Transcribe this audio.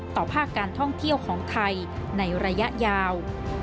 ภาคการท่องเที่ยวของไทยในระยะยาว